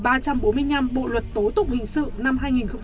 bộ luật tố tục hình sự năm hai nghìn một mươi năm